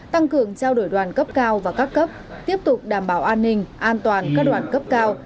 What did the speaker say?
tăng cường trao đổi đoàn cấp cao và các cấp tiếp tục đảm bảo an ninh an toàn các đoàn cấp cao